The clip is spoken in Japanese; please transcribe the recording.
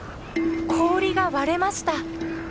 氷が割れました。